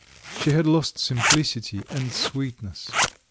She had lost simplicity and sweetness.